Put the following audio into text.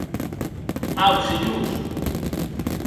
Au, senhors!.